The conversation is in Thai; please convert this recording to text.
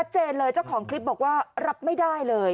เจนเลยเจ้าของคลิปบอกว่ารับไม่ได้เลย